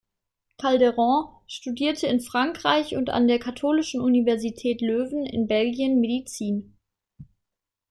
Calderón studierte in Frankreich und an der Katholischen Universität Löwen in Belgien Medizin.